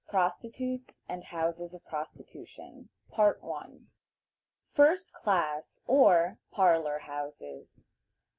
PROSTITUTES AND HOUSES OF PROSTITUTION. First Class, or "Parlor Houses."